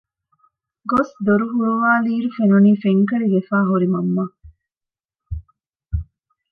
ގޮސް ދޮރު ހުޅުވައިލީއިރު ފެނުނީ ފެންކަޅިވެފައި ހުރި މަންމަ